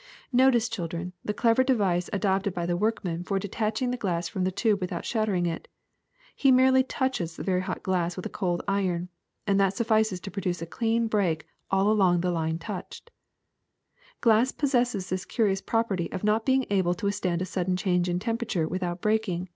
^' Notice, children, the clever device adopted by the workman for detaching the glass from the tube with out shattering it. He merely touches the very hot glass with a cold iron, and that suffices to produce a clean break all along the line touched. Glass pos sesses this curious property of not being able to withstand a sudden change in temperature without breaking.